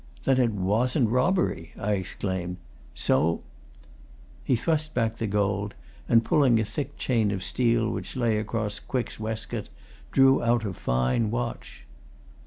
"Then it wasn't robbery!" I exclaimed. "So " He thrust back the gold, and pulling at a thick chain of steel which lay across Quick's waistcoat, drew out a fine watch.